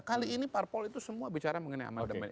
kali ini parpol itu semua bicara mengenai aman demand